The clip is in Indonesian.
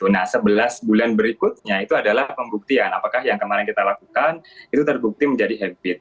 nah sebelas bulan berikutnya itu adalah pembuktian apakah yang kemarin kita lakukan itu terbukti menjadi habit